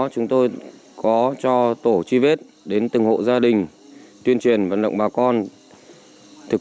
chúng tôi có cho tổ truy vết đến từng hộ gia đình tuyên truyền vận động bà con thực